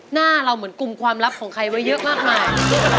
หน้าเราเหมือนกลุ่มความลับของใครไว้เยอะมากมาย